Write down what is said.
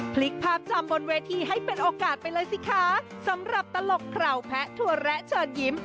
พลิกภาพจำบนเวทีให้เป็นโอกาสไปเลยสิคะสำหรับตลกข่าวแพะถั่วแระเชิญยิ้ม